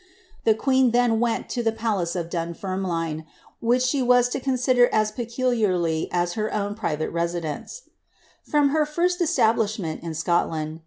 The queen then went to the pbce of Dunfermline, which she was to consider as peculiarly her own pri From her first settlement in Scotland